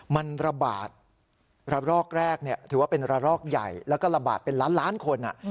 มันระบาดระลอกแรกถือว่าเป็นระลอกใหญ่แล้วก็ระบาดเป็นล้านล้านคน